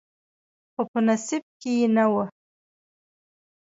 خو په نصیب کې یې نه و.